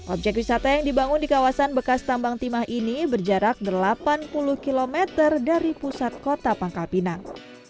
objek wisata yang dibangun di kawasan bekas tambang timah ini berjarak delapan puluh km dari pusat kota pangkal pinang